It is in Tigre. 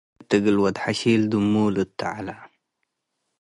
ሐየት እግል ወድ-ሐሺል ድሙ'ል እቴ' ዐለ።